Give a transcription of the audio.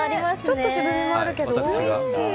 ちょっと渋味もあるけどおいしい。